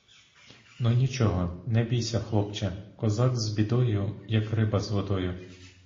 Ну, нічого, не бійся, хлопче; козак з бідою, як риба з водою.